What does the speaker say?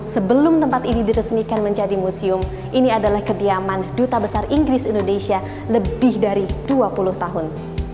seribu sembilan ratus dua puluh sebelum tempat ini diresmikan menjadi museum ini adalah kediaman duta besar inggris indonesia lebih dari dua puluh tahun